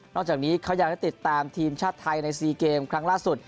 จากนี้เขายังได้ติดตามทีมชาติไทยใน๔เกมครั้งล่าสุด